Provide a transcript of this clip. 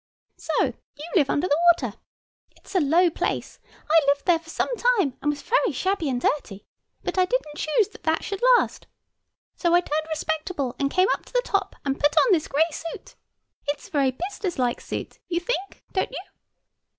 "So you live under the water? It's a low place. I lived there for some time; and was very shabby and dirty. But I didn't choose that that should last. So I turned respectable, and came up to the top, and put on this gray suit. It's a very business like suit, you think, don't you?"